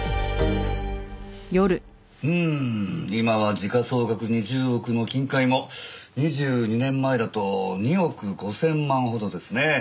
うーん今は時価総額２０億の金塊も２２年前だと２億５０００万ほどですね。